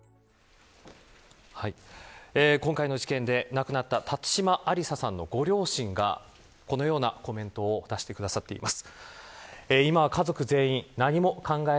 今回の事件で亡くなった辰島ありささんのご両親が、このようなコメントを出してくださっています。